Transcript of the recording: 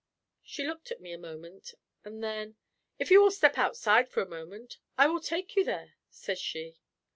She looked at me a moment; and then, "If you will step outside for a moment, I will take you there," says she.